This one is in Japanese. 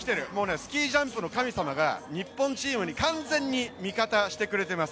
スキージャンプの神様が日本チームに完全に味方してくれています。